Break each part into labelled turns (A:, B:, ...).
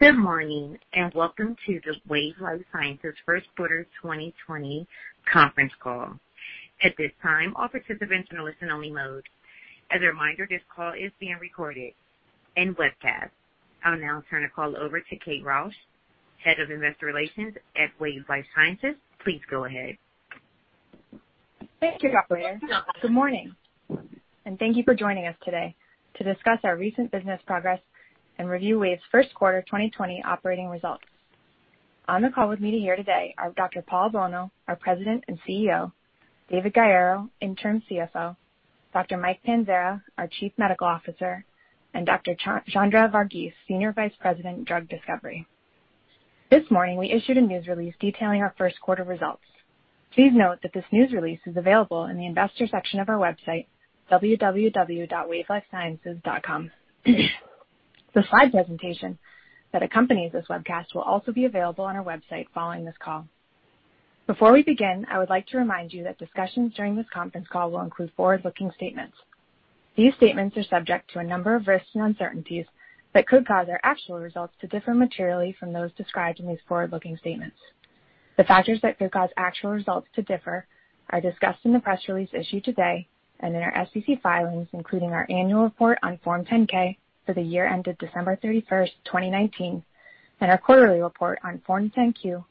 A: Good morning, welcome to the Wave Life Sciences first quarter 2020 conference call. At this time, all participants are in listen only mode. As a reminder, this call is being recorded and webcast. I will now turn the call over to Kate Rausch, Head of Investor Relations at Wave Life Sciences. Please go ahead.
B: Thank you, operator. Good morning. Thank you for joining us today to discuss our recent business progress and review Wave's first quarter 2020 operating results. On the call with me here today are Dr. Paul Bolno, our President and CEO, David Gaiero, Interim CFO, Dr. Mike Panzara, our Chief Medical Officer, and Dr. Chandra Vargeese, Senior Vice President, Drug Discovery. This morning, we issued a news release detailing our first-quarter results. Please note that this news release is available in the investor section of our website, wavelifesciences.com. The slide presentation that accompanies this webcast will also be available on our website following this call. Before we begin, I would like to remind you that discussions during this conference call will include forward-looking statements. These statements are subject to a number of risks and uncertainties that could cause our actual results to differ materially from those described in these forward-looking statements. The factors that could cause actual results to differ are discussed in the press release issued today and in our SEC filings, including our annual report on Form 10-K for the year ended December 31st, 2019, and our quarterly report on Form 10-Q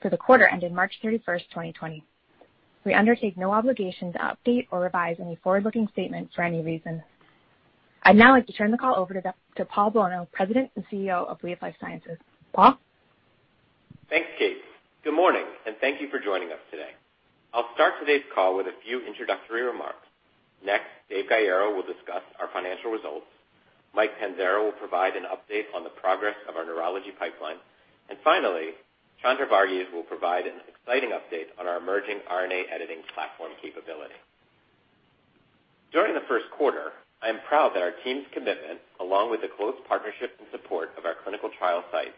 B: for the quarter ended March 31st, 2020. We undertake no obligation to update or revise any forward-looking statements for any reason. I'd now like to turn the call over to Paul Bolno, President and CEO of Wave Life Sciences. Paul?
C: Thanks, Kate. Good morning, and thank you for joining us today. I'll start today's call with a few introductory remarks. Next, Dave Gaiero will discuss our financial results. Mike Panzara will provide an update on the progress of our neurology pipeline. Finally, Chandra Vargeese will provide an exciting update on our emerging RNA editing platform capability. During the first quarter, I am proud that our team's commitment, along with the close partnership and support of our clinical trial sites,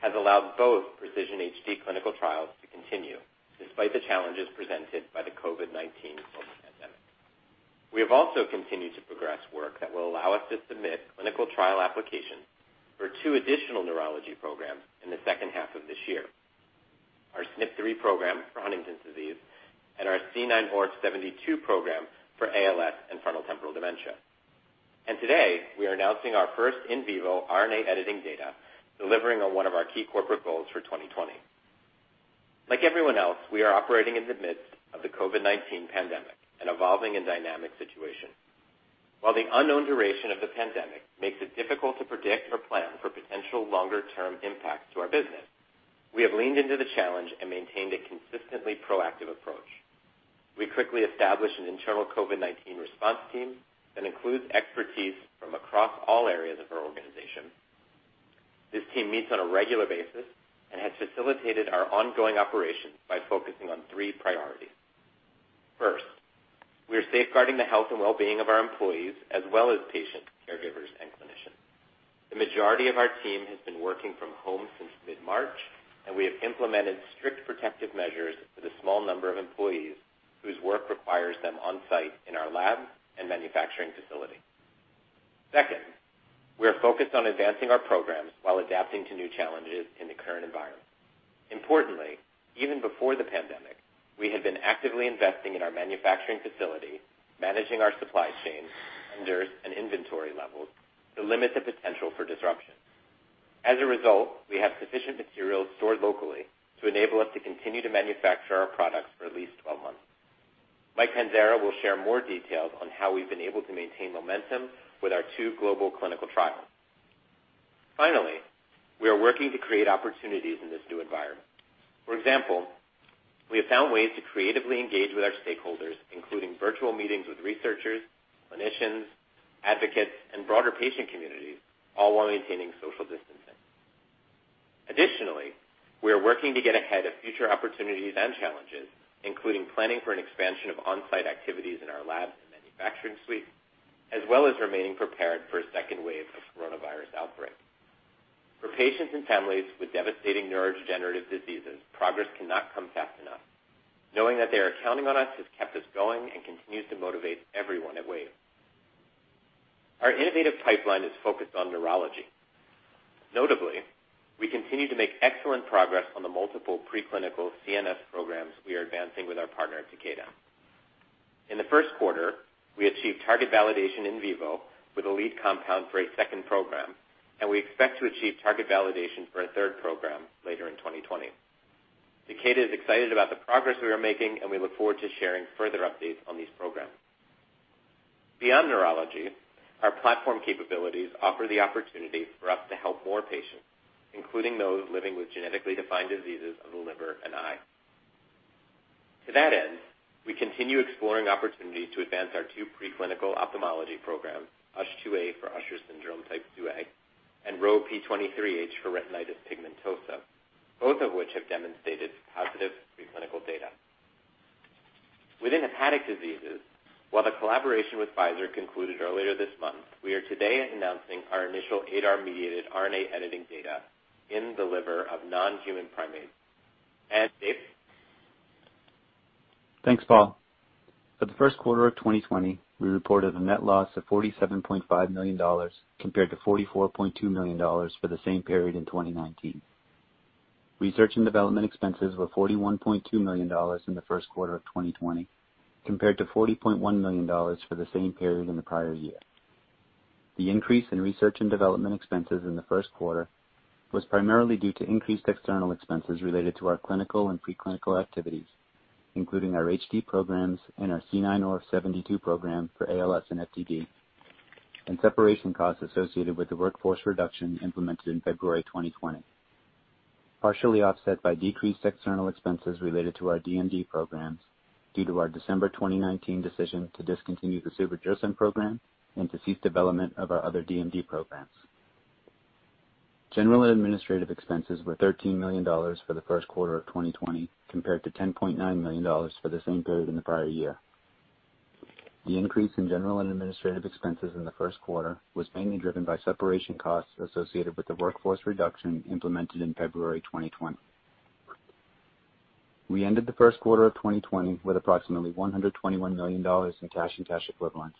C: has allowed both PRECISION-HD clinical trials to continue despite the challenges presented by the COVID-19 global pandemic. We have also continued to progress work that will allow us to submit clinical trial applications for two additional neurology programs in the second half of this year, our SNP3 program for Huntington's disease and our C9orf72 program for ALS and frontotemporal dementia. Today, we are announcing our first in vivo RNA editing data, delivering on one of our key corporate goals for 2020. Like everyone else, we are operating in the midst of the COVID-19 pandemic, an evolving and dynamic situation. While the unknown duration of the pandemic makes it difficult to predict or plan for potential longer-term impacts to our business, we have leaned into the challenge and maintained a consistently proactive approach. We quickly established an internal COVID-19 response team that includes expertise from across all areas of our organization. This team meets on a regular basis and has facilitated our ongoing operations by focusing on three priorities. First, we are safeguarding the health and well-being of our employees, as well as patients, caregivers, and clinicians. The majority of our team has been working from home since mid-March, and we have implemented strict protective measures for the small number of employees whose work requires them on-site in our lab and manufacturing facility. Second, we are focused on advancing our programs while adapting to new challenges in the current environment. Importantly, even before the pandemic, we had been actively investing in our manufacturing facility, managing our supply chains, vendors, and inventory levels to limit the potential for disruption. As a result, we have sufficient materials stored locally to enable us to continue to manufacture our products for at least 12 months. Mike Panzara will share more details on how we've been able to maintain momentum with our two global clinical trials. Finally, we are working to create opportunities in this new environment. For example, we have found ways to creatively engage with our stakeholders, including virtual meetings with researchers, clinicians, advocates, and broader patient communities, all while maintaining social distancing. Additionally, we are working to get ahead of future opportunities and challenges, including planning for an expansion of on-site activities in our lab and manufacturing suite, as well as remaining prepared for a second wave of coronavirus outbreak. For patients and families with devastating neurodegenerative diseases, progress cannot come fast enough. Knowing that they are counting on us has kept us going and continues to motivate everyone at Wave. Our innovative pipeline is focused on neurology. Notably, we continue to make excellent progress on the multiple preclinical CNS programs we are advancing with our partner, Takeda. In the first quarter, we achieved target validation in vivo with a lead compound for a second program, and we expect to achieve target validation for a third program later in 2020. Takeda is excited about the progress we are making, and we look forward to sharing further updates on these programs. Beyond neurology, our platform capabilities offer the opportunity for us to help more patients, including those living with genetically defined diseases of the liver and eye. To that end, we continue exploring opportunities to advance our two preclinical ophthalmology programs, USH2A for Usher syndrome type 2A and RHO P23H for retinitis pigmentosa, both of which have demonstrated positive preclinical data. Within hepatic diseases, while the collaboration with Pfizer concluded earlier this month, we are today announcing our initial ADAR-mediated RNA editing data in the liver of non-human primates. Dave?
D: Thanks, Paul. For the first quarter of 2020, we reported a net loss of $47.5 million compared to $44.2 million for the same period in 2019. Research and development expenses were $41.2 million in the first quarter of 2020 compared to $40.1 million for the same period in the prior year. The increase in research and development expenses in the first quarter was primarily due to increased external expenses related to our clinical and pre-clinical activities, including our HD programs and our C9orf72 program for ALS and FTD, and separation costs associated with the workforce reduction implemented in February 2020, partially offset by decreased external expenses related to our DMD programs due to our December 2019 decision to discontinue the suvodirsen program and to cease development of our other DMD programs. General and administrative expenses were $13 million for the first quarter of 2020, compared to $10.9 million for the same period in the prior year. The increase in general and administrative expenses in the first quarter was mainly driven by separation costs associated with the workforce reduction implemented in February 2020. We ended the first quarter of 2020 with approximately $121 million in cash and cash equivalents,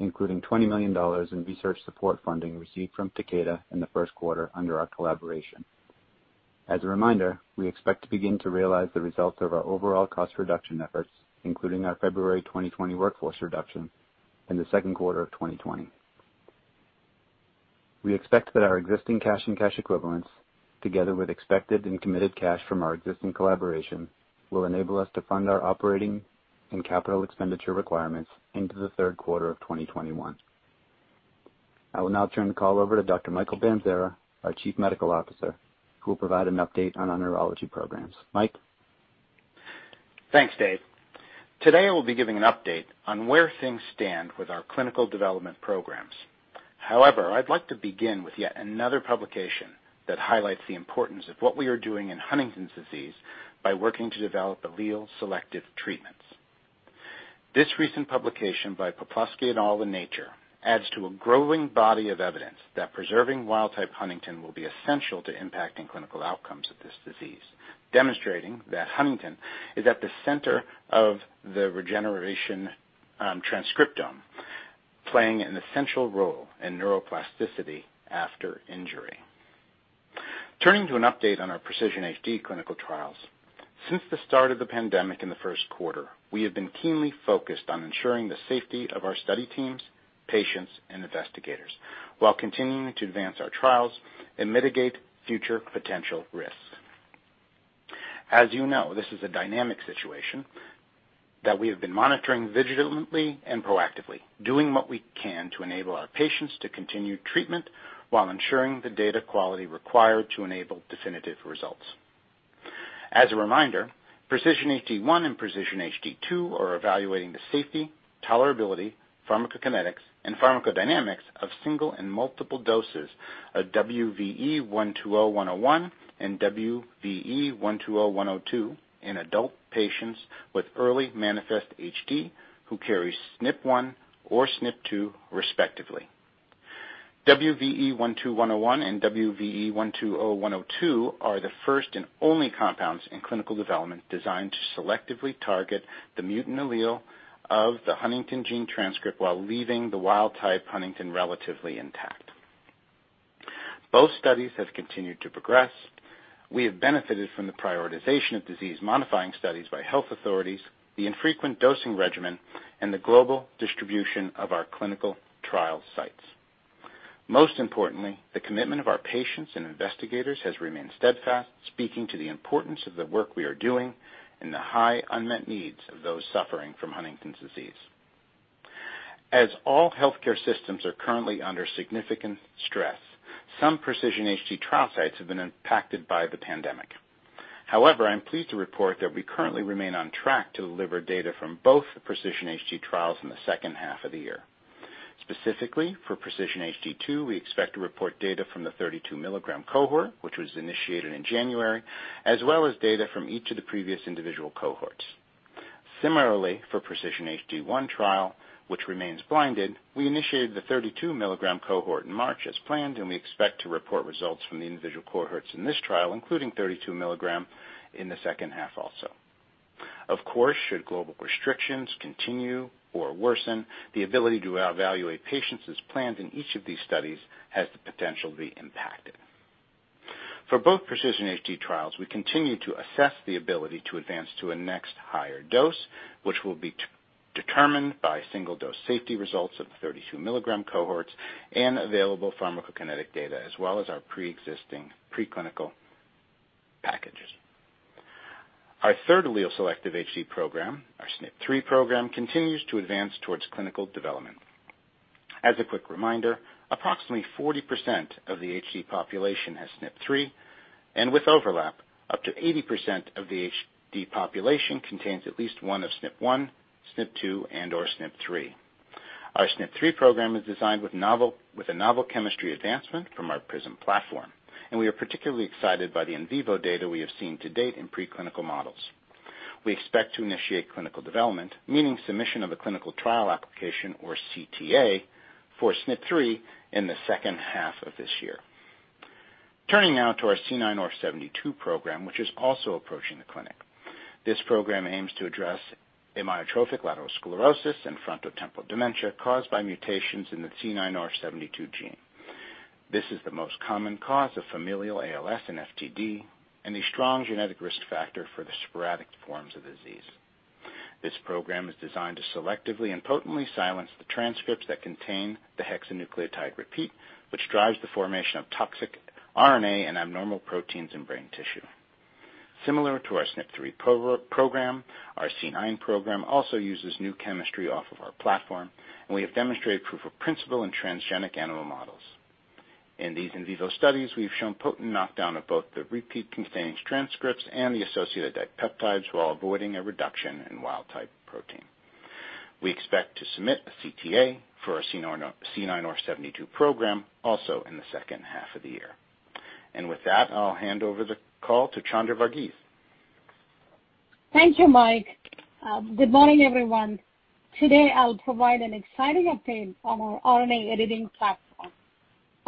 D: including $20 million in research support funding received from Takeda in the first quarter under our collaboration. As a reminder, we expect to begin to realize the results of our overall cost reduction efforts, including our February 2020 workforce reduction, in the second quarter of 2020. We expect that our existing cash and cash equivalents, together with expected and committed cash from our existing collaboration, will enable us to fund our operating and capital expenditure requirements into the third quarter of 2021. I will now turn the call over to Dr. Michael Panzara, our Chief Medical Officer, who will provide an update on our neurology programs. Mike?
E: Thanks, Dave. Today, I will be giving an update on where things stand with our clinical development programs. I'd like to begin with yet another publication that highlights the importance of what we are doing in Huntington's disease by working to develop allele-selective treatments. This recent publication by Poplawski et al. in Nature adds to a growing body of evidence that preserving wild-type huntingtin will be essential to impacting clinical outcomes of this disease, demonstrating that huntingtin is at the center of the regeneration transcriptome, playing an essential role in neuroplasticity after injury. Turning to an update on our PRECISION-HD clinical trials. Since the start of the pandemic in the first quarter, we have been keenly focused on ensuring the safety of our study teams, patients, and investigators, while continuing to advance our trials and mitigate future potential risks. As you know, this is a dynamic situation that we have been monitoring vigilantly and proactively, doing what we can to enable our patients to continue treatment while ensuring the data quality required to enable definitive results. As a reminder, PRECISION-HD1 and PRECISION-HD2 are evaluating the safety, tolerability, pharmacokinetics, and pharmacodynamics of single and multiple doses of WVE-120101 and WVE-120102 in adult patients with early manifest HD who carry SNP 1 or SNP 2, respectively. WVE-120101 and WVE-120102 are the first and only compounds in clinical development designed to selectively target the mutant allele of the huntingtin gene transcript while leaving the wild-type huntingtin relatively intact. Both studies have continued to progress. We have benefited from the prioritization of disease-modifying studies by health authorities, the infrequent dosing regimen, and the global distribution of our clinical trial sites. Most importantly, the commitment of our patients and investigators has remained steadfast, speaking to the importance of the work we are doing and the high unmet needs of those suffering from Huntington's disease. As all healthcare systems are currently under significant stress, some PRECISION-HD trial sites have been impacted by the pandemic. I am pleased to report that we currently remain on track to deliver data from both the PRECISION-HD trials in the second half of the year. Specifically, for PRECISION-HD2, we expect to report data from the 32-mg cohort, which was initiated in January, as well as data from each of the previous individual cohorts. Similarly, for PRECISION-HD1 trial, which remains blinded, we initiated the 32-mg cohort in March as planned, and we expect to report results from the individual cohorts in this trial, including 32 mg, in the second half also. Should global restrictions continue or worsen, the ability to evaluate patients as planned in each of these studies has the potential to be impacted. For both PRECISION-HD trials, we continue to assess the ability to advance to a next higher dose, which will be determined by single-dose safety results of the 32-mg cohorts and available pharmacokinetics data, as well as our preexisting preclinical packages. Our third allele selective HD program, our SNP 3 program, continues to advance towards clinical development. As a quick reminder, approximately 40% of the HD population has SNP 3, and with overlap, up to 80% of the HD population contains at least one of SNP 1, SNP 2, and/or SNP 3. Our SNP 3 program is designed with a novel chemistry advancement from our PRISM platform. We are particularly excited by the in vivo data we have seen to date in preclinical models. We expect to initiate clinical development, meaning submission of a clinical trial application or CTA, for SNP 3 in the second half of this year. Turning now to our C9orf72 program, which is also approaching the clinic. This program aims to address amyotrophic lateral sclerosis and frontotemporal dementia caused by mutations in the C9orf72 gene. This is the most common cause of familial ALS and FTD and a strong genetic risk factor for the sporadic forms of the disease. This program is designed to selectively and potently silence the transcripts that contain the hexanucleotide repeat, which drives the formation of toxic RNA and abnormal proteins in brain tissue. Similar to our SNP 3 program, our C9 program also uses new chemistry off of our platform, and we have demonstrated proof of principle in transgenic animal models. In these in vivo studies, we've shown potent knockdown of both the repeat-containing transcripts and the associated peptides while avoiding a reduction in wild-type protein. We expect to submit a CTA for our C9orf72 program also in the second half of the year. With that, I'll hand over the call to Chandra Vargeese.
F: Thank you, Mike. Good morning, everyone. Today, I'll provide an exciting update on our RNA editing platform.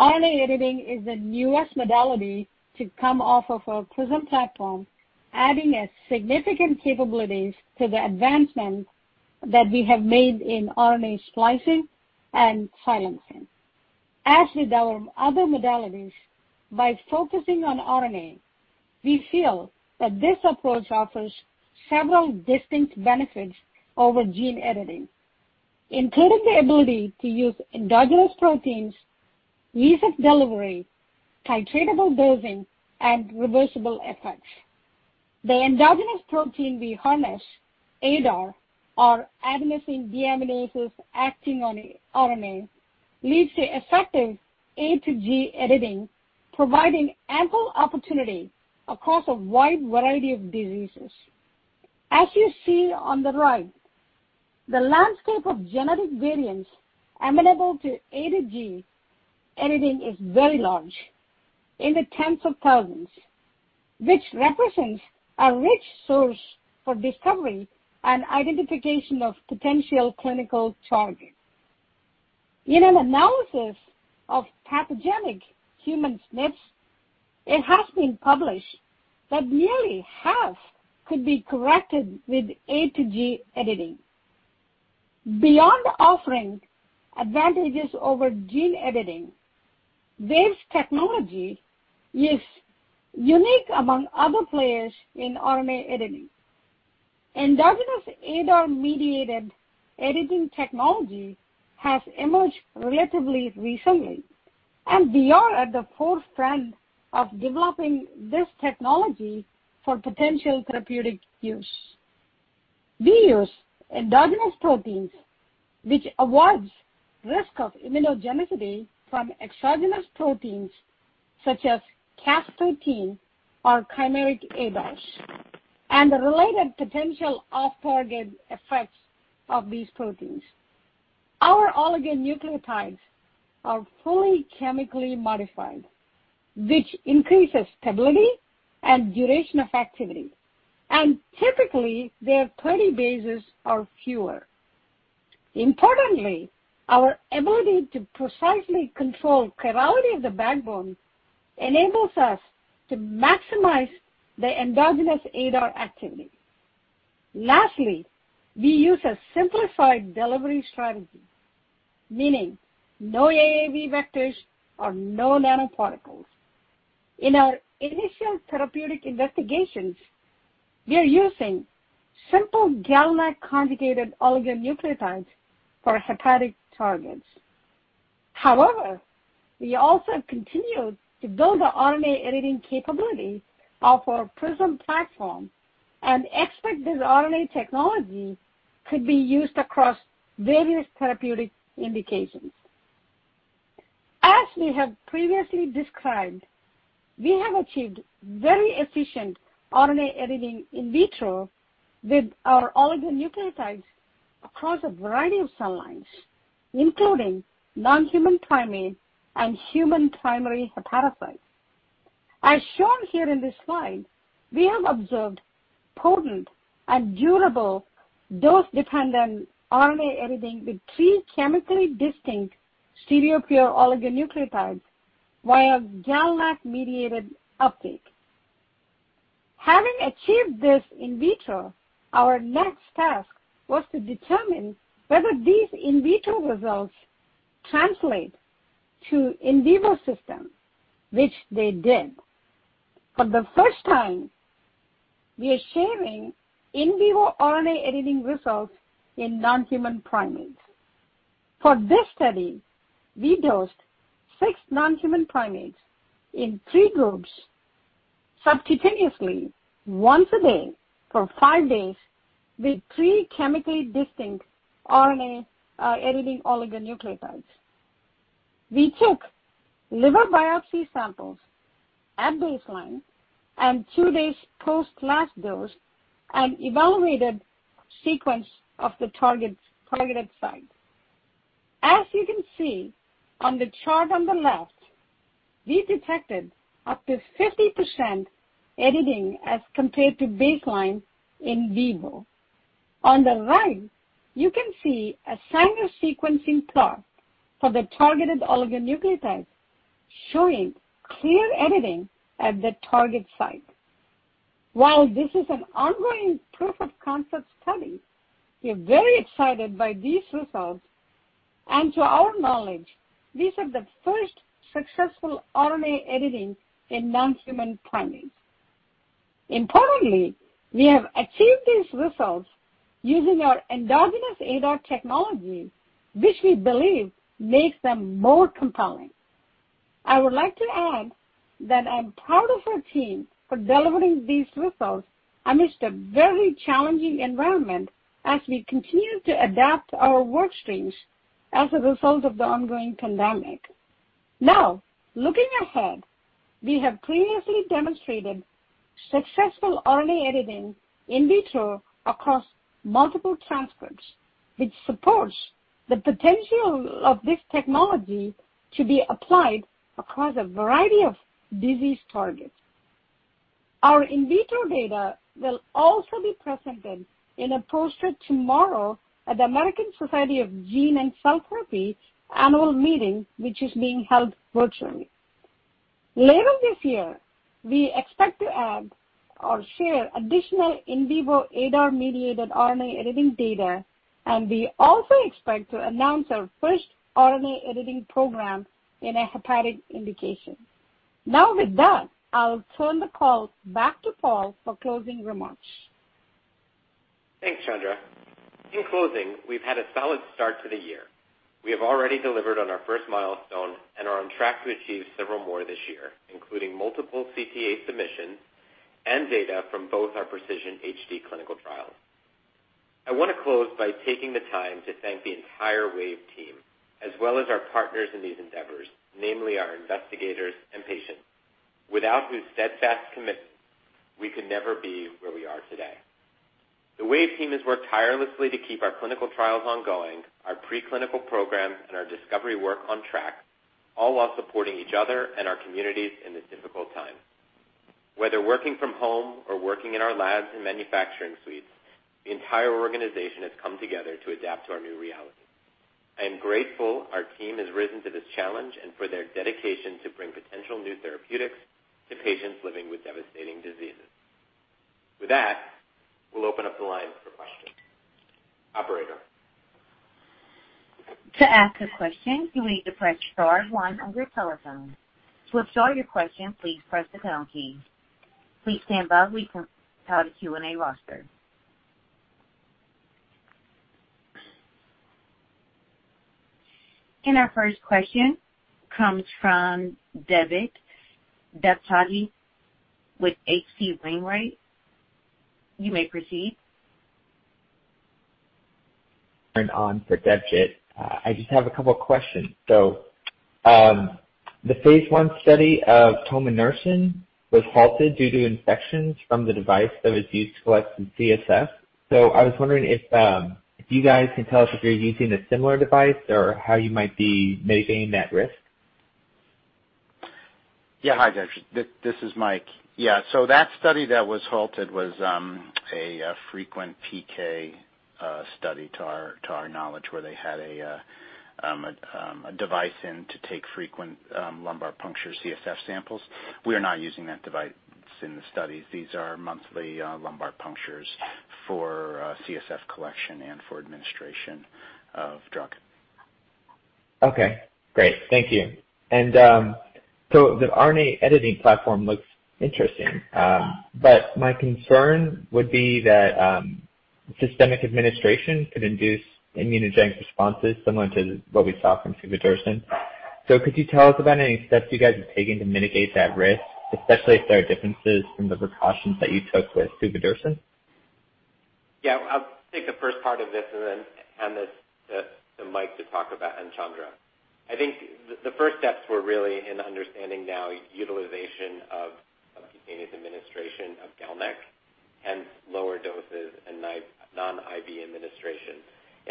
F: RNA editing is the newest modality to come off of our PRISM platform, adding a significant capabilities to the advancement that we have made in RNA splicing and silencing. As with our other modalities, by focusing on RNA, we feel that this approach offers several distinct benefits over gene editing, including the ability to use endogenous proteins, ease of delivery, titratable dosing, and reversible effects. The endogenous protein we harness, ADAR, or adenosine deaminase acting on RNA, leads to effective A-to-G editing, providing ample opportunity across a wide variety of diseases. As you see on the right, the landscape of genetic variants amenable to A-to-G editing is very large, in the tens of thousands, which represents a rich source for discovery and identification of potential clinical targets. In an analysis of pathogenic human SNPs, it has been published that nearly half could be corrected with A-to-G editing. Beyond offering advantages over gene editing, this technology is unique among other players in RNA editing. Endogenous ADAR-mediated editing technology has emerged relatively recently, and we are at the forefront of developing this technology for potential therapeutic use. We use endogenous proteins, which avoids risk of immunogenicity from exogenous proteins such as Cas13 or chimeric ADARs, and the related potential off-target effects of these proteins. Our oligonucleotides are fully chemically modified, which increases stability and duration of activity, and typically, they are 20 bases or fewer. Importantly, our ability to precisely control chirality of the backbone enables us to maximize the endogenous ADAR activity. Lastly, we use a simplified delivery strategy, meaning no AAV vectors or no nanoparticles. In our initial therapeutic investigations, we are using simple GalNAc-conjugated oligonucleotides for hepatic targets. We also have continued to build the RNA editing capability of our PRISM platform and expect this RNA technology could be used across various therapeutic indications. As we have previously described, we have achieved very efficient RNA editing in vitro with our oligonucleotides across a variety of cell lines, including non-human primates and human primary hepatocytes. As shown here in this slide, we have observed potent and durable dose-dependent RNA editing with three chemically distinct stereopure oligonucleotides via GalNAc-mediated uptake. Having achieved this in vitro, our next task was to determine whether these in vitro results translate to in vivo systems, which they did. For the first time, we are sharing in vivo RNA editing results in non-human primates. For this study, we dosed six non-human primates in three groups subcutaneously, once a day for five days with three chemically distinct RNA editing oligonucleotides. We took liver biopsy samples at baseline and two days post last dose and evaluated sequence of the targeted site. As you can see on the chart on the left, we detected up to 50% editing as compared to baseline in vivo. On the right, you can see a Sanger sequencing plot for the targeted oligonucleotide showing clear editing at the target site. While this is an ongoing proof-of-concept study, we are very excited by these results, and to our knowledge, these are the first successful RNA editing in non-human primates. Importantly, we have achieved these results using our endogenous ADAR technology, which we believe makes them more compelling. I would like to add that I'm proud of our team for delivering these results amidst a very challenging environment as we continue to adapt our work streams as a result of the ongoing pandemic. Looking ahead, we have previously demonstrated successful RNA editing in vitro across multiple transcripts, which supports the potential of this technology to be applied across a variety of disease targets. Our in vitro data will also be presented in a poster tomorrow at the American Society of Gene & Cell Therapy annual meeting, which is being held virtually. Later this year, we expect to add or share additional in vivo ADAR-mediated RNA editing data, and we also expect to announce our first RNA editing program in a hepatic indication. With that, I'll turn the call back to Paul for closing remarks.
C: Thanks, Chandra. In closing, we've had a solid start to the year. We have already delivered on our first milestone and are on track to achieve several more this year, including multiple CTA submissions and data from both our PRECISION-HD clinical trials. I want to close by taking the time to thank the entire Wave team, as well as our partners in these endeavors, namely our investigators and patients, without whose steadfast commitment we could never be where we are today. The Wave team has worked tirelessly to keep our clinical trials ongoing, our preclinical programs, and our discovery work on track, all while supporting each other and our communities in this difficult time. Whether working from home or working in our labs and manufacturing suites, the entire organization has come together to adapt to our new reality. I am grateful our team has risen to this challenge and for their dedication to bring potential new therapeutics to patients living with devastating diseases. With that, we'll open up the lines for questions. Operator?
A: To ask a question, you will need to press star one on your telephone. To withdraw your question, please press the pound key. Please stand by. We compile the Q&A roster. Our first question comes from [David Deptahi] with H.C. Wainwright. You may proceed.
G: On for Debjit. I just have a couple questions. The phase I study of tominersen was halted due to infections from the device that was used to collect some CSF. I was wondering if you guys can tell us if you're using a similar device or how you might be mitigating that risk.
E: Yeah. Hi, David. This is Mike. Yeah. That study that was halted was a frequent PK study to our knowledge where they had a device in to take frequent lumbar puncture CSF samples. We are not using that device in the studies. These are monthly lumbar punctures for CSF collection and for administration of drug.
H: Okay, great. Thank you. The RNA editing platform looks interesting. My concern would be that systemic administration could induce immunogenic responses similar to what we saw from suvodirsen. Could you tell us about any steps you guys are taking to mitigate that risk, especially if there are differences from the precautions that you took with suvodirsen?
C: Yeah, I'll take the first part of this and then hand this to Mike to talk about, and Chandra. I think the first steps were really in understanding now utilization of continuous administration of GalNAc,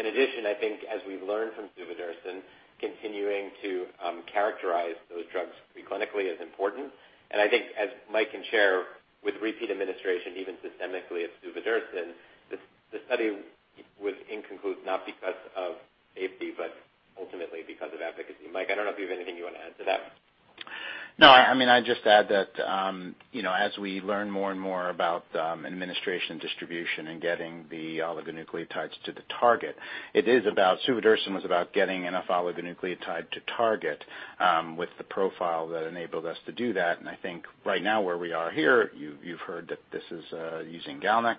C: hence lower doses and non-IV administration. I think as we've learned from suvodirsen, continuing to characterize those drugs pre-clinically is important. I think as Mike can share with repeat administration, even systemically of suvodirsen, the study was incomplete not because of safety, but ultimately because of efficacy. Mike, I don't know if you have anything you want to add to that.
E: No. I just add that as we learn more and more about administration distribution and getting the oligonucleotides to the target, suvodirsen was about getting enough oligonucleotide to target with the profile that enabled us to do that. I think right now where we are here, you've heard that this is using GalNAc,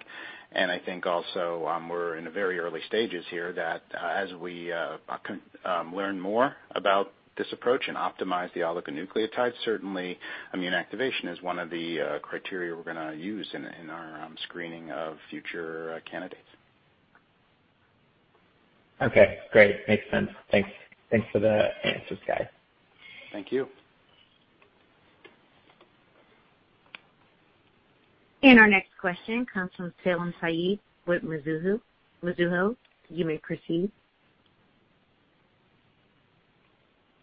E: and I think also we're in the very early stages here that as we learn more about this approach and optimize the oligonucleotides, certainly immune activation is one of the criteria we're going to use in our screening of future candidates.
G: Okay, great. Makes sense. Thanks. Thanks for the answers, guys.
C: Thank you.
A: Our next question comes from Salim Syed with Mizuho. Mizuho, you may proceed.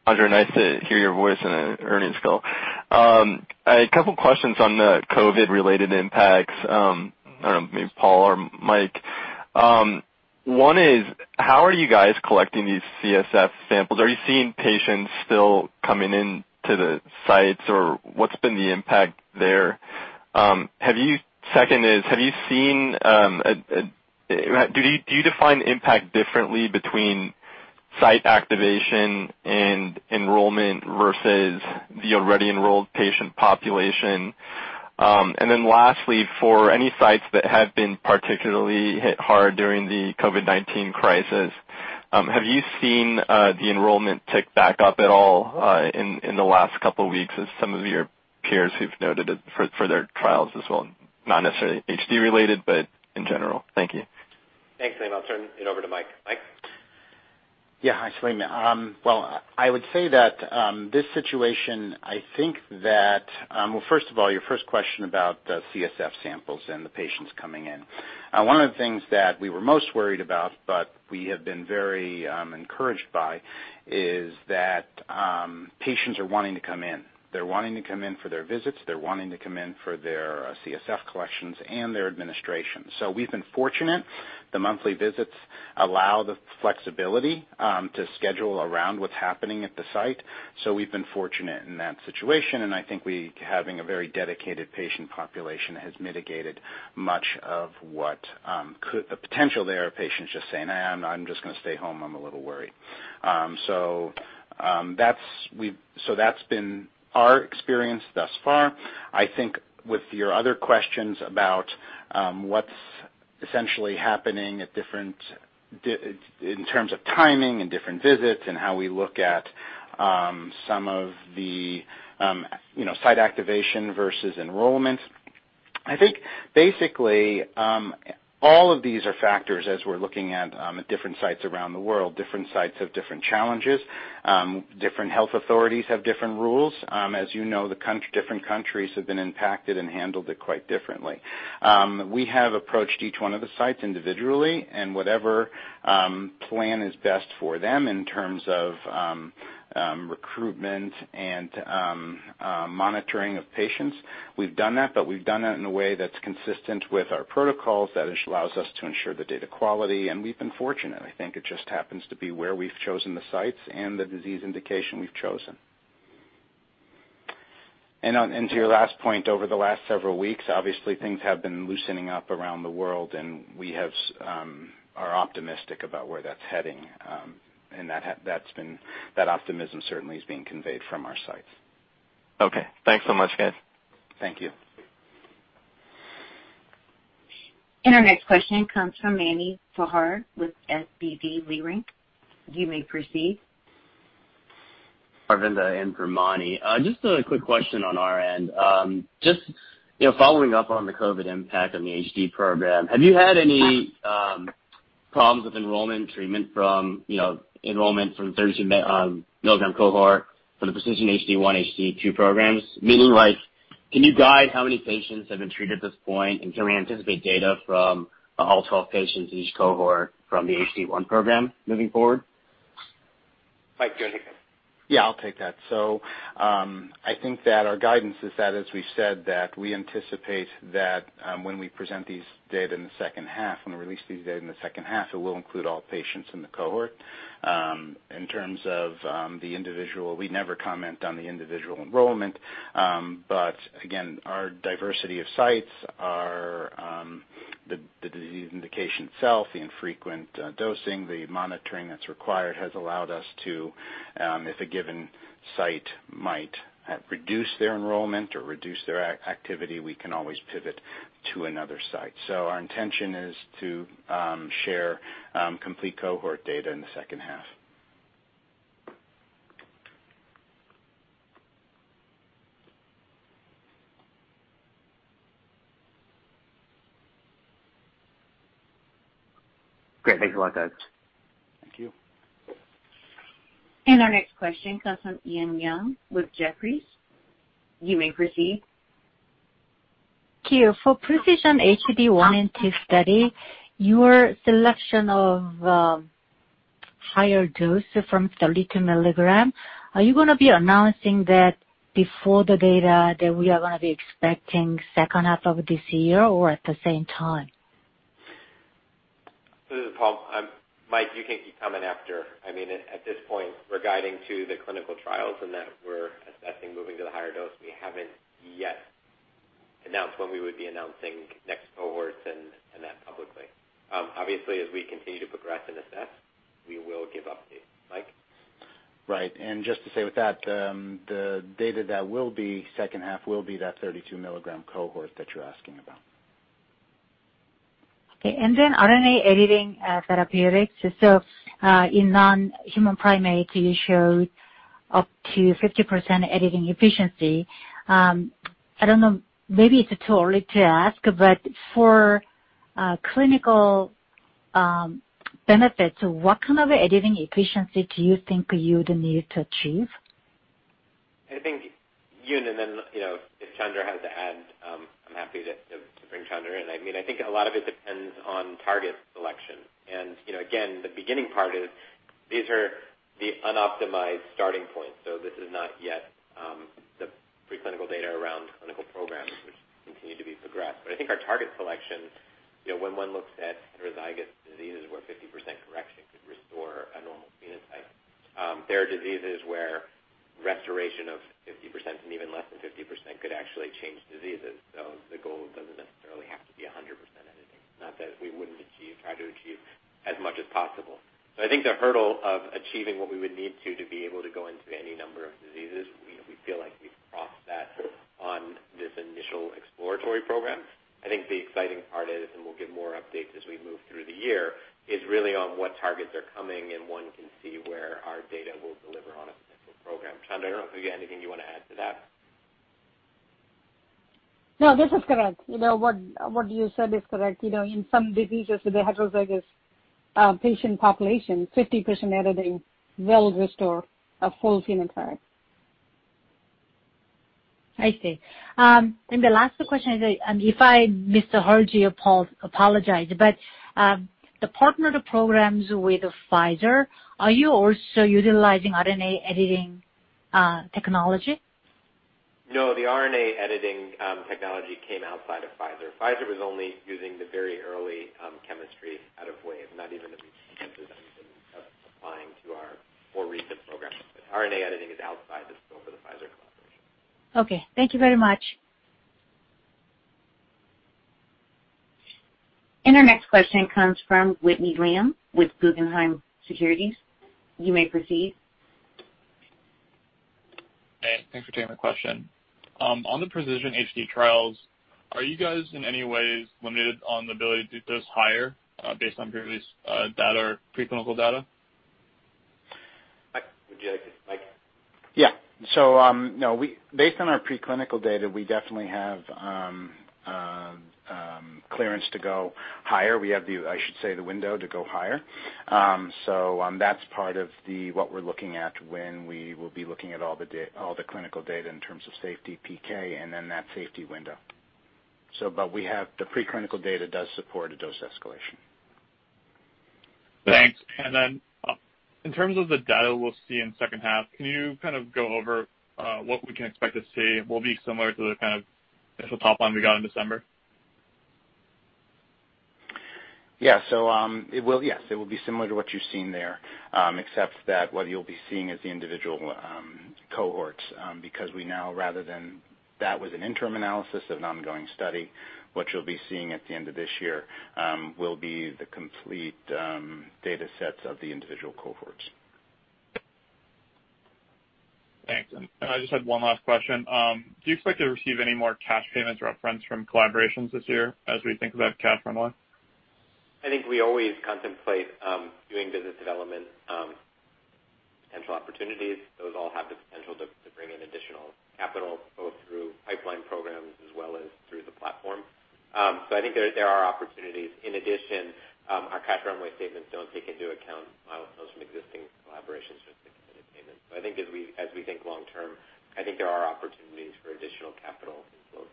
I: Chandra, nice to hear your voice in an earnings call. A couple questions on the COVID-related impacts. I don't know, maybe Paul or Mike. One is, how are you guys collecting these CSF samples? Are you seeing patients still coming into the sites, or what's been the impact there? Second is, do you define impact differently between site activation and enrollment versus the already enrolled patient population? Lastly, for any sites that have been particularly hit hard during the COVID-19 crisis, have you seen the enrollment tick back up at all in the last couple weeks as some of your peers who've noted it for their trials as well? Not necessarily HD-related, but in general. Thank you.
C: Thanks, Salim. I'll turn it over to Mike. Mike?
E: Yeah. Hi, Salim. I would say that this situation, first of all, your first question about the CSF samples and the patients coming in. One of the things that we were most worried about, but we have been very encouraged by, is that patients are wanting to come in. They're wanting to come in for their visits. They're wanting to come in for their CSF collections and their administration. We've been fortunate. The monthly visits allow the flexibility to schedule around what's happening at the site. We've been fortunate in that situation, and I think having a very dedicated patient population has mitigated much of the potential there of patients just saying, "I'm just going to stay home. I'm a little worried." That's been our experience thus far. I think with your other questions about what's essentially happening in terms of timing and different visits and how we look at some of the site activation versus enrollment. I think basically, all of these are factors as we're looking at different sites around the world. Different sites have different challenges. Different health authorities have different rules. As you know, different countries have been impacted and handled it quite differently. We have approached each one of the sites individually, and whatever plan is best for them in terms of recruitment and monitoring of patients, we've done that, but we've done that in a way that's consistent with our protocols, that allows us to ensure the data quality, and we've been fortunate. I think it just happens to be where we've chosen the sites and the disease indication we've chosen. To your last point, over the last several weeks, obviously things have been loosening up around the world, and we are optimistic about where that's heading. That optimism certainly is being conveyed from our sites.
I: Okay. Thanks so much, guys.
E: Thank you.
A: Our next question comes from Mani Foroohar with SVB Leerink. You may proceed.
J: Arvind on for Mani. A quick question on our end. Following up on the COVID impact on the HD program, have you had any problems with enrollment from 30 milligram cohort from the PRECISION-HD1, PRECISION-HD2 programs? Can you guide how many patients have been treated at this point, and can we anticipate data from all 12 patients in each cohort from the PRECISION-HD1 program moving forward?
C: Mike, do you want to take that?
E: Yeah, I'll take that. I think that our guidance is that, as we said, that we anticipate that when we present these data in the second half, when we release these data in the second half, it will include all patients in the cohort. In terms of the individual, we never comment on the individual enrollment. Again, our diversity of sites are the disease indication itself; the infrequent dosing, the monitoring that's required has allowed us to, if a given site might reduce their enrollment or reduce their activity, we can always pivot to another site. Our intention is to share complete cohort data in the second half.
J: Great. Thanks a lot, guys.
E: Thank you.
A: Our next question comes from Eun Yang with Jefferies. You may proceed.
K: For PRECISION-HD1 and 2 study, your selection of higher dose from 32 mg, are you going to be announcing that before the data that we are going to be expecting second half of this year, or at the same time?
C: This is Paul. Mike, you can comment after. I mean, at this point, regarding to the clinical trials and that we're assessing moving to the higher dose, we haven't yet announced when we would be announcing next cohorts and that publicly. Obviously, as we continue to progress and assess, we will give updates. Mike?
E: Right. Just to say with that, the data that will be second half will be that 32 mg cohort that you're asking about.
K: Okay. RNA editing therapeutics. In non-human primates, you showed up to 50% editing efficiency. I don't know, maybe it's too early to ask, but for clinical benefits, what kind of editing efficiency do you think you would need to achieve?
C: I think, Eun, and then if Chandra has to add, I'm happy to bring Chandra in. I think a lot of it depends on target selection. Again, the beginning part is these are the unoptimized starting points. This is not yet the preclinical data around clinical programs, which continue to be progressed. I think our target selection, when one looks at heterozygous diseases where 50% correction could restore a normal phenotype, there are diseases where restoration of 50% and even less than 50% could actually change diseases, so the goal doesn't necessarily have to be 100% editing. Not that we wouldn't try to achieve as much as possible. I think the hurdle of achieving what we would need to be able to go into any number of diseases, we feel like we've crossed that on this initial exploratory program. I think the exciting part is, and we'll give more updates as we move through the year, is really on what targets are coming, and one can see where our data will deliver on a potential program. Chandra, I don't know if you have anything you want to add to that.
F: No, this is correct. What you said is correct. In some diseases with a heterozygous patient population, 50% editing will restore a full phenotype.
K: I see. The last question is, and if I missed the whole apologize, but the partner to programs with Pfizer, are you also utilizing RNA editing technology?
C: No, the RNA editing technology came outside of Pfizer. Pfizer was only using the very early chemistry out of Wave, not even the that we've been applying to our more recent programs. RNA editing is outside the scope of the Pfizer collaboration.
K: Okay. Thank you very much.
A: Our next question comes from Whitney Ijem with Guggenheim Securities. You may proceed.
L: Hey, thanks for taking my question. On the PRECISION-HD trials, are you guys in any ways limited on the ability to dose higher, based on previous data or preclinical data?
C: Mike?
E: Yeah. Based on our preclinical data, we definitely have clearance to go higher. We have, I should say, the window to go higher. That's part of what we're looking at when we will be looking at all the clinical data in terms of safety, PK, and then that safety window. The preclinical data does support a dose escalation.
L: Thanks. In terms of the data we'll see in the second half, can you go over what we can expect to see? Will it be similar to the kind of initial top line we got in December?
E: Yeah. Yes, it will be similar to what you've seen there, except that what you'll be seeing is the individual cohorts, because that was an interim analysis of an ongoing study. What you'll be seeing at the end of this year will be the complete data sets of the individual cohorts.
L: Thanks. I just had one last question. Do you expect to receive any more cash payments or up-fronts from collaborations this year, as we think about cash runway?
C: I think we always contemplate doing business development potential opportunities. Those all have the potential to bring in additional capital, both through pipeline programs as well as through the platform. I think there are opportunities. In addition, our cash runway statements don't take into account milestones from existing collaborations with committed payments. I think as we think long-term, I think there are opportunities for additional capital inflow.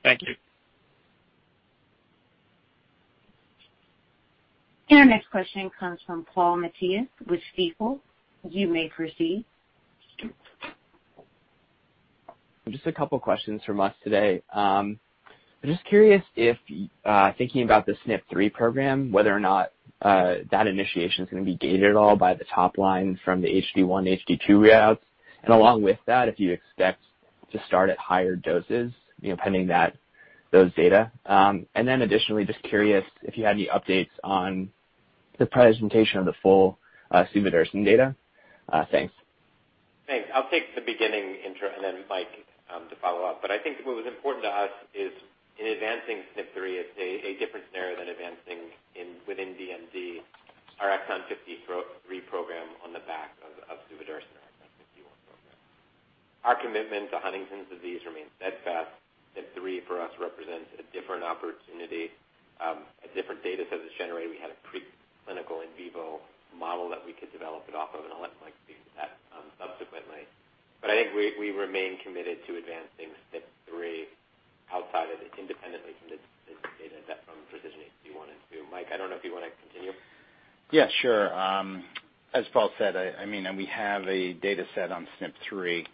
L: Thank you.
A: Our next question comes from Paul Matteis with Stifel. You may proceed.
M: Just a couple of questions from us today. I'm just curious if, thinking about the SNP3 program, whether or not that initiation's going to be gated at all by the top line from the HD1, HD2 readouts. Along with that, if you expect to start at higher doses, pending those data. Additionally, just curious if you had any updates on the presentation of the full suvodirsen data. Thanks.
C: Thanks. I'll take the beginning intro, and then Mike to follow up. I think what was important to us is in advancing SNP3, it's a different scenario than advancing within DMD, our Exon 53 program on the back of suvodirsen Exon 51 program. Our commitment to Huntington's disease remains steadfast. SNP3 for us represents a different opportunity, a different data set that's generated. We had a preclinical in vivo model that we could develop it off of, and I'll let Mike speak to that subsequently. I think we remain committed to advancing SNP3 independently from the data from PRECISION-HD1 and PRECISION-HD2. Mike, I don't know if you want to continue.
E: Yeah, sure. As Paul said, we have a data set on SNP3,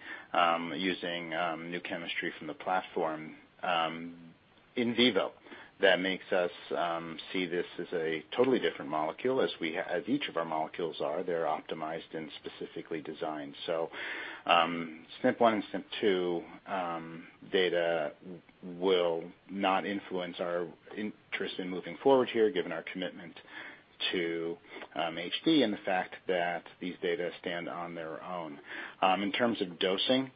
E: using new chemistry from the platform in vivo that makes us see this as a totally different molecule, as each of our molecules are. They're optimized and specifically designed. SNP1 and SNP2 data will not influence our interest in moving forward here, given our commitment to HD and the fact that these data stand on their own. In terms of dosing,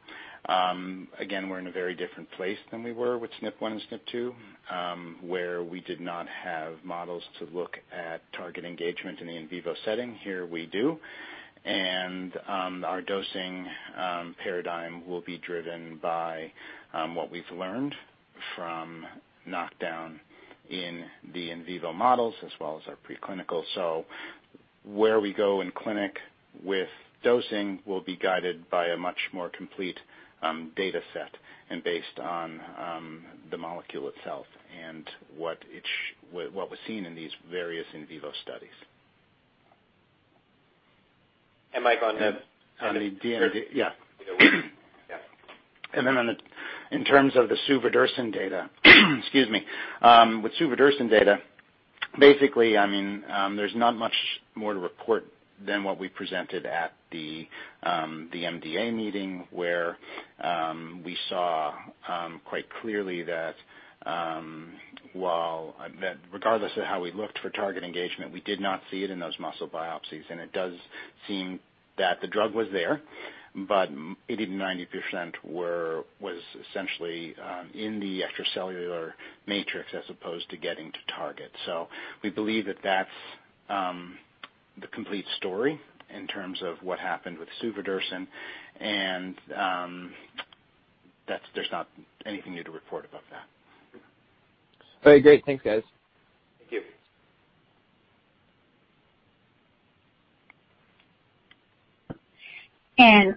E: again, we're in a very different place than we were with SNP1 and SNP2, where we did not have models to look at target engagement in the in vivo setting. Here we do, and our dosing paradigm will be driven by what we've learned from knockdown in the in vivo models, as well as our preclinical. Where we go in clinic with dosing will be guided by a much more complete data set and based on the molecule itself and what was seen in these various in vivo studies.
M: Mike, on the.
E: On the DMD. Yeah.
M: Yeah.
E: In terms of the suvodirsen data, excuse me. With suvodirsen data, basically, there's not much more to report than what we presented at the MDA meeting where we saw quite clearly that regardless of how we looked for target engagement, we did not see it in those muscle biopsies. It does seem that the drug was there, but 80%-90% was essentially in the extracellular matrix as opposed to getting to target. We believe that's the complete story in terms of what happened with suvodirsen, and there's not anything new to report about that.
M: Okay, great. Thanks, guys.
C: Thank you.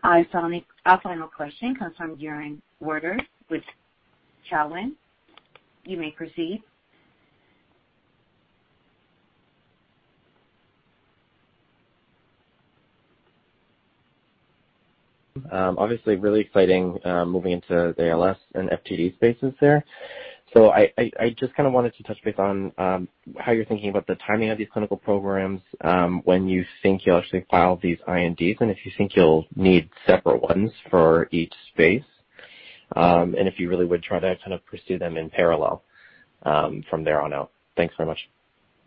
A: I saw our final question comes from Yaron Werber with Cowen. You may proceed.
N: Obviously really exciting moving into the ALS and FTD spaces there. I just wanted to touch base on how you're thinking about the timing of these clinical programs, when you think you'll actually file these INDs, and if you think you'll need separate ones for each space, and if you really would try to pursue them in parallel from there on out? Thanks very much.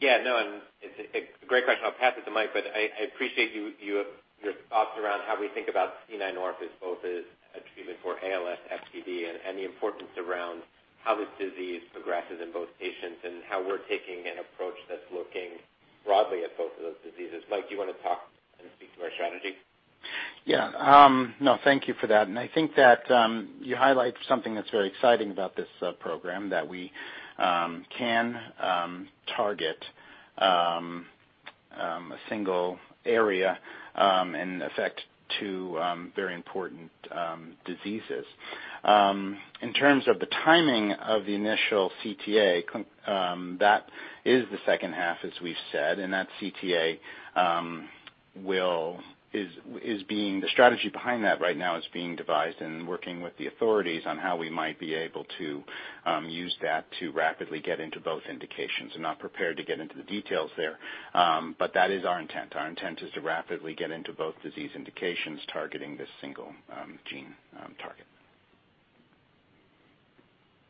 C: Yeah, no, it's a great question. I'll pass it to Mike, but I appreciate your thoughts around how we think about C9orf72 as both a treatment for ALS, FTD, and the importance around how this disease progresses in both patients and how we're taking an approach that's looking broadly at both of those diseases. Mike, do you want to talk and speak to our strategy?
E: No, thank you for that. I think that you highlight something that's very exciting about this program, that we can target a single area in effect to very important diseases. In terms of the timing of the initial CTA, that is the second half, as we've said. The strategy behind that right now is being devised and working with the authorities on how we might be able to use that to rapidly get into both indications. I'm not prepared to get into the details there. That is our intent. Our intent is to rapidly get into both disease indications targeting this single gene target.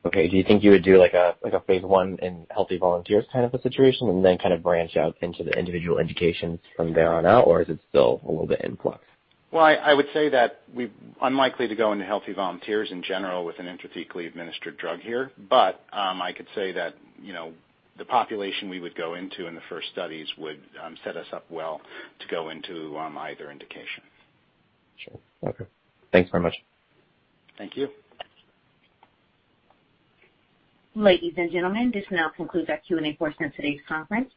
N: Okay. Do you think you would do a phase I in healthy volunteers kind of a situation and then branch out into the individual indications from there on out, or is it still a little bit in flux?
E: Well, I would say that we're unlikely to go into healthy volunteers in general with an intrathecally administered drug here. I could say that the population we would go into in the first studies would set us up well to go into either indication.
N: Sure. Okay. Thanks very much.
C: Thank you.
A: Ladies and gentlemen, this now concludes our Q&A portion of today's conference.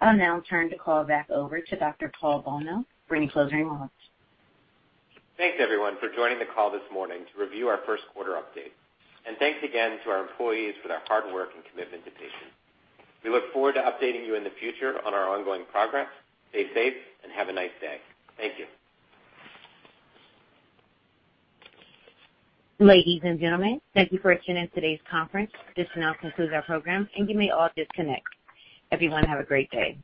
A: I'll now turn the call back over to Dr. Paul Bolno for any closing remarks.
C: Thanks, everyone, for joining the call this morning to review our first quarter update. Thanks again to our employees for their hard work and commitment to patients. We look forward to updating you in the future on our ongoing progress. Stay safe and have a nice day. Thank you.
A: Ladies and gentlemen, thank you for attending today's conference. This now concludes our program, and you may all disconnect. Everyone have a great day.